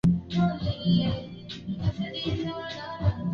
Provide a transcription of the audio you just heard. Jeshi la bwana